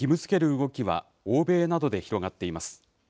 動きは、欧米などで広がっています。